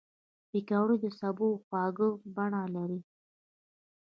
پکورې د سبو خواږه بڼه لري